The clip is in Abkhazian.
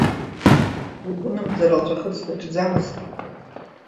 Лгәынамӡара лҵәахырц даҿӡамызт.